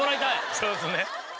そうですね。